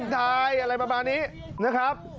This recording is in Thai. ตายอะไรประมาณนี้นะครับ